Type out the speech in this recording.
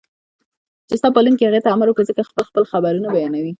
چې ستا پالونکي هغې ته امر کړی زکه خپل خپل خبرونه بيانوي